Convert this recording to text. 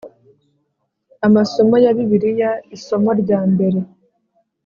Amasomo ya Bibiliya isomo rya mbere